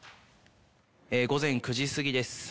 午前９時過ぎです。